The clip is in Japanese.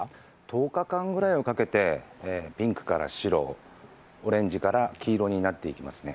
１０日間くらいをかけてピンクから白、オレンジから黄色になっていきますね。